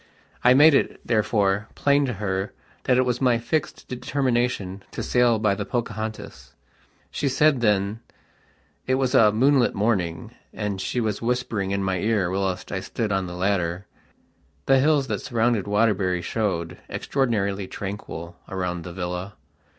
I made it, therefore, plain to her that it was my fixed determination to sail by the "Pocahontas". She said thenit was a moonlit morning, and she was whispering in my ear whilst I stood on the ladder. The hills that surround Waterbury showed, extraordinarily tranquil, around the villa.